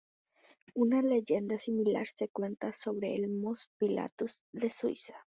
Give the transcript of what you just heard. Una leyenda similar se cuenta sobre el "Mons Pilatus" de Suiza.